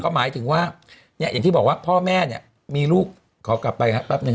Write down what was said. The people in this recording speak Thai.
หมายถึงว่าเนี่ยอย่างที่บอกว่าพ่อแม่เนี่ยมีลูกขอกลับไปครับแป๊บนึ